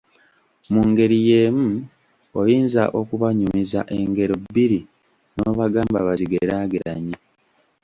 Mu ngeri y'emu oyinza okubanyumiza engero bbiri n'obagamba bazigeraageranye